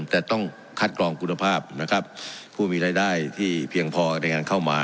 แต่ต้องคัดกรองคุณภาพนะครับผู้มีรายได้ที่เพียงพอในการเข้ามา